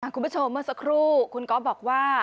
คุณผู้ชมเมื่อสักครู่คุณก๊อฟบอกว่า